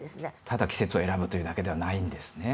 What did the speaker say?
ただ季節を選ぶというだけではないんですね。